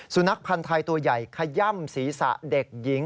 สุนัขพันธ์ไทยตัวใหญ่ขย่ำศีรษะเด็กหญิง